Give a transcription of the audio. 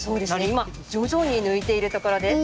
今徐々に抜いているところです。